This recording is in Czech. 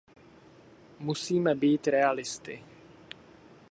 Musíme být realisty!